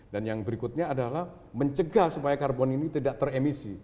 dan yang berikutnya adalah mencegah supaya karbon ini tidak teremisi